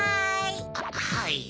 はい！